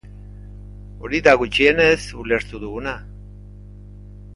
Hori da, gutxienez, ulertu duguna.